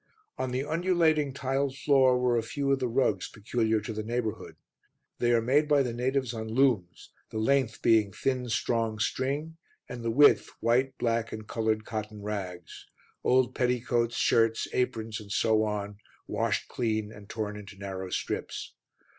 On the undulating tiled floor were a few of the rugs peculiar to the neighbourhood. They are made by the natives on looms, the length being thin, strong string and the width white, black and coloured cotton rags old petticoats, shirts, aprons and so on, washed clean and torn into narrow strips.